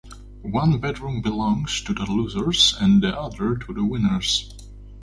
One bedroom belongs to the losers and the other to the winners.